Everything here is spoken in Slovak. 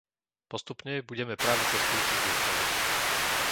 Postupne budeme práva cestujúcich zlepšovať.